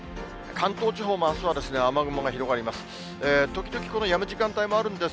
関東地方もあすは雨雲が広がります。